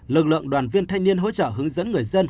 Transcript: lực lượng đoàn viên thanh niên hỗ trợ hướng dẫn người dân